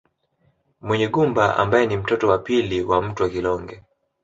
Munyigumba ambaye ni mtoto wa pili wa Mtwa Kilonge